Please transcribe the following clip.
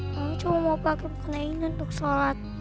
mama cuma mau pake mukena ini untuk sholat